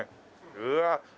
うわっ。